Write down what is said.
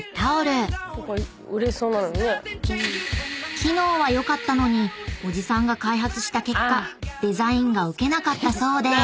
［機能は良かったのにおじさんが開発した結果デザインがウケなかったそうで］